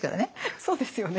そうですよね。